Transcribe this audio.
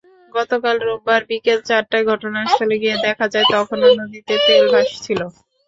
গতকাল রোববার বিকেল চারটায় ঘটনাস্থলে গিয়ে দেখা যায়, তখনো নদীতে তেল ভাসছিল।